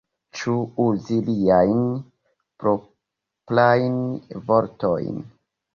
Ĉu uzi liajn proprajn vortojn?